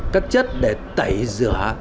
các chất để tẩy rửa